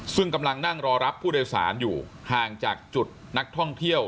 ซึ่งกำลังนั่งรอรับผู้โดยสารอยู่ห่างจากจุดนักท่องเที่ยว